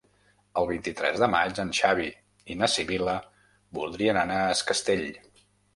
El vint-i-tres de maig en Xavi i na Sibil·la voldrien anar a Es Castell.